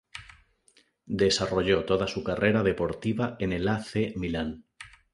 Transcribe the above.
Desarrolló toda su carrera deportiva en el A. C. Milan.